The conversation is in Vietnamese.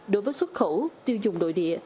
đối với xuất khẩu tiêu dùng nội địa